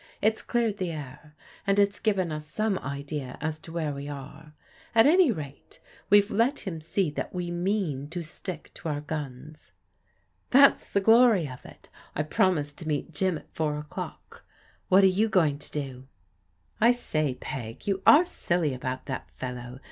It's cleared the air, and it's given us some idea as to where we are. At any rate, we've let him see that we mean to stick to otu: guns." ''That's the glory of it. I promised to meet Jim at four o'dock. What are you going to do? "" I say. Peg, you are silly about that fellow.